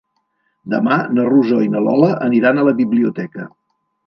Demà na Rosó i na Lola aniran a la biblioteca.